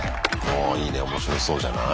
あいいね面白そうじゃない？